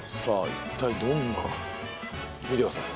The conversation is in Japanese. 一体どんな見てください